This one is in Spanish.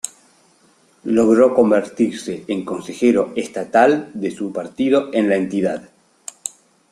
Logró convertirse en Consejero estatal de su partido en la entidad.